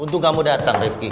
untung kamu datang rifki